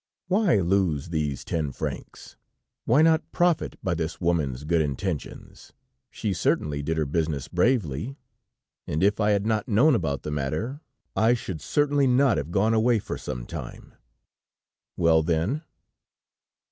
"Why lose these ten francs? Why not profit by this woman's good intentions. She certainly did her business bravely, and if I had not known about the matter, I should certainly not have gone away for some time ... Well then?"